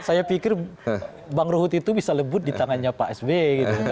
saya pikir bang ruhut itu bisa lebut di tangannya pak sbe